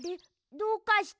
どうかした？